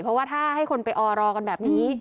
เพราะว่าถ้าให้คนไปออรอกันแบบนี้